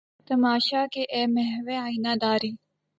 تماشا کہ اے محوِ آئینہ داری!